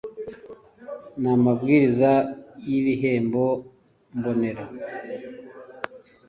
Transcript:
n amabwiriza y ibihembo mbonera